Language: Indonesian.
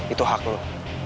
itu hak lo